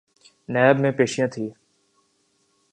NAB میں پیشیاں تھیں۔